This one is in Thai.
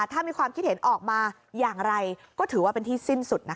ถ้ามีความคิดเห็นออกมาอย่างไรก็ถือว่าเป็นที่สิ้นสุดนะคะ